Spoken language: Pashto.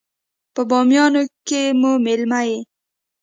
په بامیانو کې مو مېلمه يې.